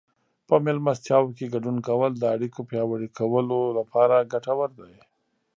په مېلمستیاوو کې ګډون کول د اړیکو پیاوړي کولو لپاره ګټور دي.